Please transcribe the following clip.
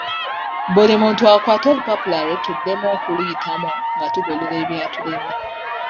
Buli omu akwate olupapula lwe tuddemu okuluyitamu nga tugolola ebyatulemye.